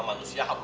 wah eh eh